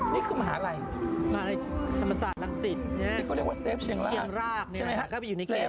นี่คือมหาอะไรนี่เขาเรียกว่าเซฟเชียงรากใช่ไหมครับเค้าไปอยู่ในเข็ด